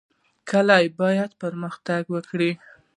کلي باید پرمختګ وکړي